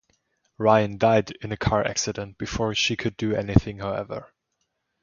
Ryan died in a car accident before she could do anything, however.